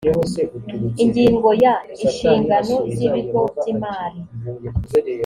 ingingo ya ishingano z ibigo by imari